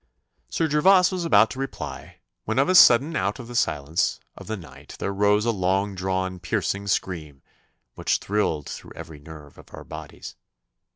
Sir Gervas was about to reply, when of a sudden out of the silence of the night there rose a long drawn piercing scream, which thrilled through every nerve of our bodies.